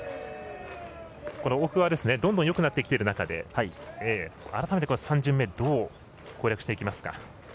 奥川どんどんよくなってきている中で改めて３巡目どう攻略していきますか。